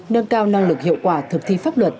nâng cao năng lực hiệu quả thực thi pháp luật